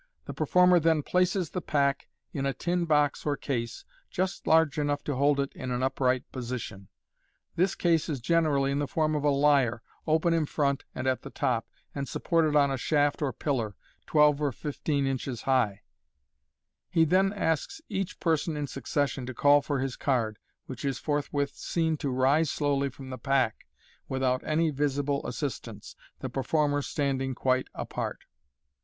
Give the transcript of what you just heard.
The performer then places the pack in a tin box or case, just large enough to hold it in an upright position. This case is generally in the form of a lyre, open in front and at the top, and supported on a shaft or pillar, twelve or fifteen inches high {see Fig. 44). He then asks each person in succession to call for his card, which is forthwith seen to rise slowly from the pack, without any visible assistance, the performer standing quite apart.